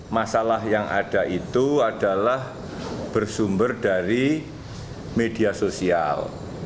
masalah yang ada itu adalah bersumber dari media sosial